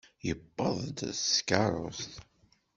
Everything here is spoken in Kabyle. Yewweḍ-d s tkeṛṛust.